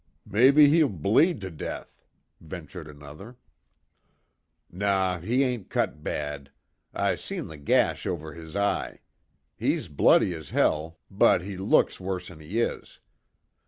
"Maybe he'll bleed to death," ventured another. "Naw, he ain't cut bad. I seen the gash over his eye. He's bloody as hell, but he looks worse'n he is.